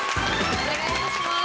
お願いいたします。